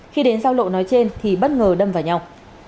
khi đến giao lộ nói trên thì bất ngờ đâm vào nhau